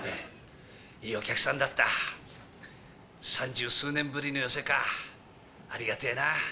いいお客さんだった、三十数年ぶりの寄席か、ありがてえな。